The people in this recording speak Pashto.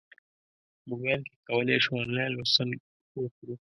موبایل کې کولی شو انلاین لوستل وکړو.